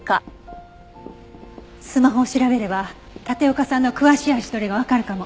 スマホを調べれば立岡さんの詳しい足取りがわかるかも。